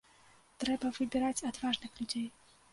Трэба выбіраць адважных людзей.